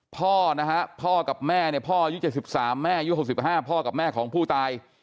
พ่อนะฮะพ่อกับแม่เนี่ยพ่ออายุ๗๓แม่อายุ๖๕พ่อกับแม่ของผู้ตาย